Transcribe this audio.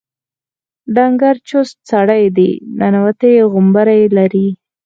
ډنګر چوست سړی دی ننوتي غومبري لري.